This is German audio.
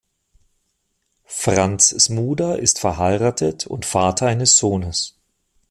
Franz Smuda ist verheiratet und Vater eines Sohnes.